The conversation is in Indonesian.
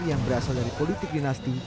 yang berasal dari politik dinasti